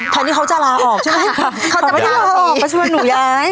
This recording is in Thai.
แทนที่เขาจะลาออกใช่ไหมเขาจะลาออกไปช่วยหนูย้าย